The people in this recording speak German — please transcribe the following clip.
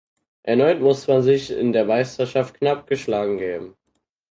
Erneut musste man sich in der Meisterschaft knapp geschlagen gegeben.